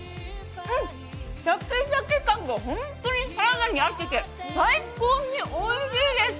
シャキシャキ感が本当にサラダに合ってておいしいです。